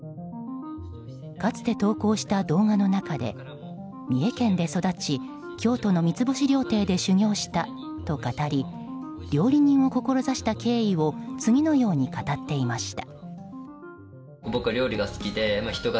かつて投稿した動画の中で三重県で育ち京都の三ツ星料亭で修業したと語り料理人を志した経緯を次のように語っていました。